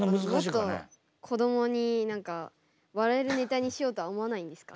もっと子どもに笑えるネタにしようとは思わないんですか？